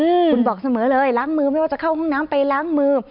อืมคุณบอกเสมอเลยล้างมือไม่ว่าจะเข้าห้องน้ำไปล้างมือ